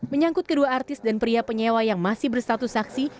menyangkut kedua artis dan pria penyewa yang masih berstatus saksi